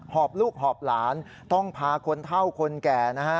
อบลูกหอบหลานต้องพาคนเท่าคนแก่นะฮะ